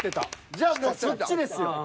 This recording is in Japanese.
じゃあもうそっちですよ。